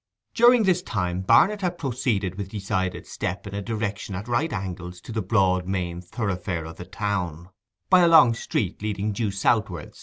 During this time Barnet had proceeded with decided step in a direction at right angles to the broad main thoroughfare of the town, by a long street leading due southward.